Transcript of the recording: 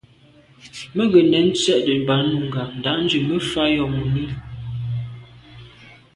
Mə́ gə nɛ̄n tsjə́ə̀də̄ bā núngā ndà’djú mə́ fá yɔ̀ mùní.